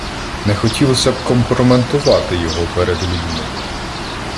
— Не хотілося б компрометувати його перед людьми.